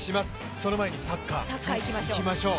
その前にサッカーいきましょう。